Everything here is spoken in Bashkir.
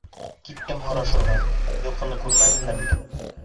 Киттем һорашырға, йылҡыны күрмәнеләрме икән?